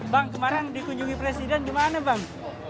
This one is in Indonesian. bang kemarin dikunjungi presiden di mana bang